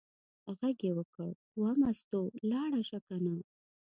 غږ یې وکړ: وه مستو ته لاړه شه کنه.